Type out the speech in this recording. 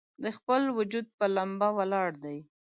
د خپل وجود پۀ ، لمبه ولاړ دی